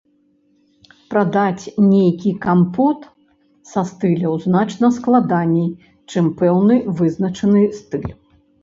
Прадаць нейкі кампот са стыляў значна складаней, чым пэўны вызначаны стыль.